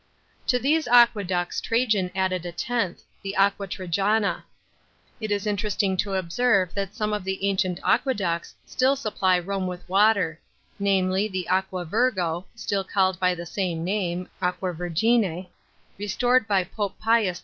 * To these aq ieducts Trajan added a tenth, the Aqua Trajana.f It is interesting to observe that some of the ancient aqu ducts still supply Rome with water; namely, the Aqua Virgo (still called by the same name, Acqua Vergine), restored by P« pe Pius IV.